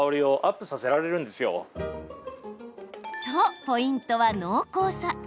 そう、ポイントは濃厚さ。